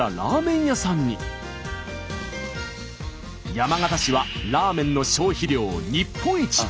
山形市はラーメンの消費量日本一！